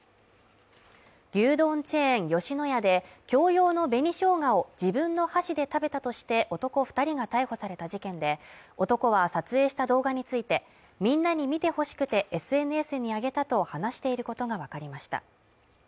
牛丼チェーン吉野家で共用の紅しょうがを自分の箸で食べたとして男２人が逮捕された事件で、男は撮影した動画についてみんなに見て欲しくてＳＮＳに上げたと話していることがわかりました